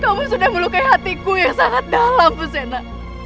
kamu sudah melukai hatiku yang sangat dalam pusena